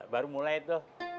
baru mulai tuh